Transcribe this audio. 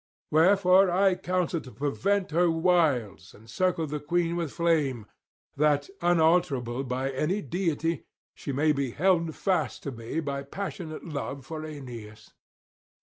Wherefore I counsel to prevent her wiles and circle the queen with flame, that, unalterable by any deity, she may be held fast to me by passionate love for Aeneas.